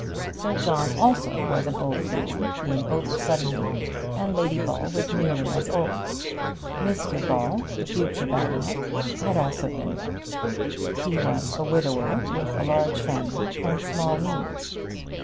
Sir John also was an old man, being over seventy, and Lady Ball was nearly as old. Mr Ball, the future baronet, had also been there. He was a widower, with a large family and small means.